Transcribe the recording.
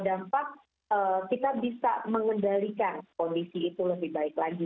jadi menurutku bahwa dampak kita bisa mengendalikan kondisi itu lebih baik lagi